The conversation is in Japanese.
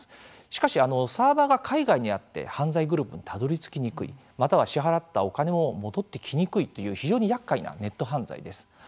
しかし、サーバーが海外にあって犯罪グループにたどりつきにくいまたは、支払ったお金も戻ってきにくいという非常にやっかいなネット犯罪です。